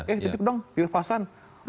eh titip dong dilepasan